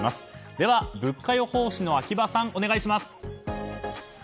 では、物価予報士の秋葉さんお願いします。